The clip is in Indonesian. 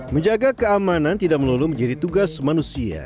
menjaga keamanan tidak melulu menjadi tugas manusia